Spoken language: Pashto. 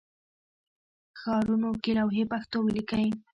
ښارونو کې لوحې پښتو ولیکئ